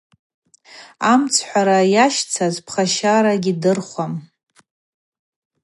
Амцхӏвара йащцаз пхащара гьидырхуам.